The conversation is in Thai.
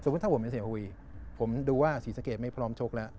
ถ้าผมเป็นเสียหุยผมดูว่าศรีสะเกดไม่พร้อมชกแล้ว